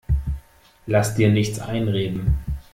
Lass dir nichts einreden!